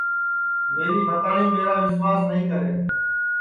میری بھتاٹؔی میرا وسواس نائی کرے